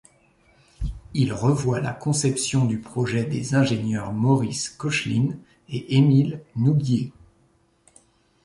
Il revoit la conception du projet des ingénieurs Maurice Koechlin et Émile Nouguier.